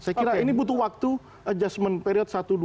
saya kira ini butuh waktu adjustment period satu dua bulan